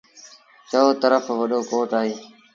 چئو ترڦ وڏو ڪوٽ اهي۔